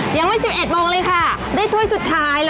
ขอบคุณมากด้วยค่ะพี่ทุกท่านเองนะคะขอบคุณมากด้วยค่ะพี่ทุกท่านเองนะคะ